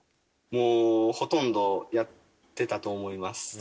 もうほとんどやってたと思います。